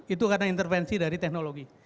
itu karena intervensi dari teknologi